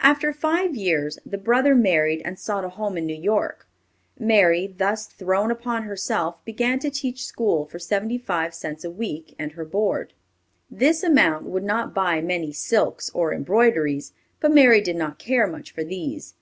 After five years, the brother married and sought a home in New York State. Mary, thus thrown upon herself, began to teach school for seventy five cents a week and her board. This amount would not buy many silks or embroideries, but Mary did not care much for these.